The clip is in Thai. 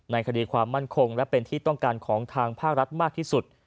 คดีความมั่นคงและเป็นที่ต้องการของทางภาครัฐมากที่สุด